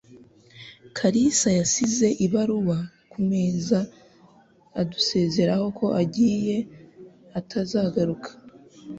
Kalisa yasize ibaruwa kumeza adusezera ko agiye atazagaruka.